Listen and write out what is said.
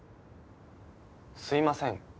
すいません。